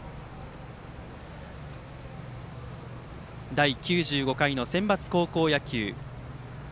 第９５回のセンバツ高校野球。